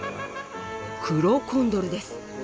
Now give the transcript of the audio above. クロコンドルです。